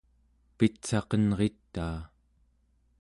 pitsaqenritaa